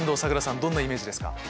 どんなイメージですか？